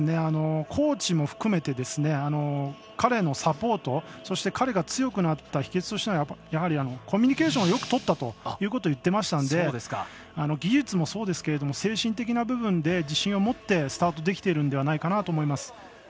コーチも含めて彼のサポート、そして彼が強くなった秘けつとしてやはり、コミュニケーションをよくとったということを言ってましたので技術もそうですけど精神的な部分でも自信を持ってスタートできているんではないかなと思います。